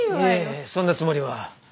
いえそんなつもりは。